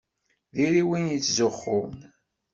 Diri win yettzuxxun.